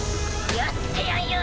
やってやんよ。